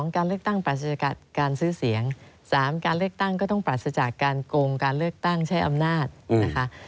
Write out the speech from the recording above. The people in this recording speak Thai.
การเลือกตั้งการซื้อเสียง๓การเลือกตั้งก็ต้องปราศจากการโกงการเลือกตั้งใช้อำนาจนะคะ